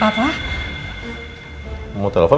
apa yang lu buat